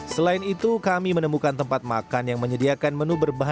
selain itu kami menemukan tempat makan yang menyediakan menu berbahan